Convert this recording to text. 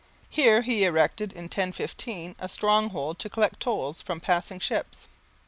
Here he erected, in 1015, a stronghold to collect tolls from passing ships.